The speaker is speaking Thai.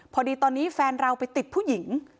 พอดีตอนนี้แฟนเราไปติดผู้หญิง